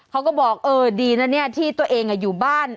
เขาก็บอกเออดีนะเนี่ยที่ตัวเองอยู่บ้าน